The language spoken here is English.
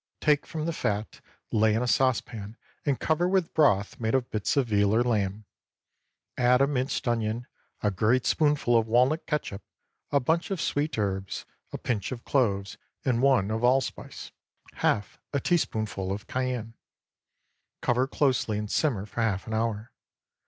Take from the fat, lay in a saucepan, and cover with broth made of bits of veal or lamb. Add a minced onion, a great spoonful of walnut catsup, a bunch of sweet herbs, a pinch of cloves and one of allspice, half a teaspoonful of cayenne. Cover closely, and simmer for half an hour.